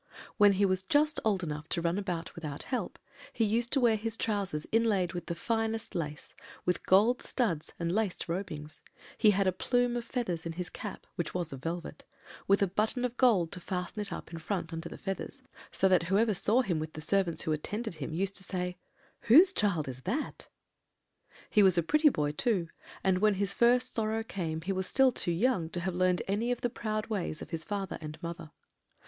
"When he was just old enough to run about without help, he used to wear his trousers inlaid with the finest lace, with golden studs and laced robings; he had a plume of feathers in his cap, which was of velvet, with a button of gold to fasten it up in front under the feathers, so that whoever saw him with the servants who attended him, used to say, 'Whose child is that?' "He was a pretty boy, too, and, when his first sorrow came, was still too young to have learned any of the proud ways of his father and mother.